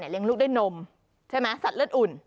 เลี้ยงลูกด้วยนมใช่ไหมสัตว์เลือดอุ่น